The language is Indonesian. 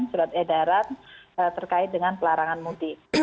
surat edaran terkait dengan pelarangan mudik